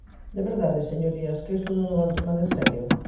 ¿De verdade, señorías, que isto non o van tomar en serio?